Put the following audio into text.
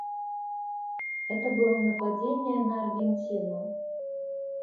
Это было нападение на Аргентину.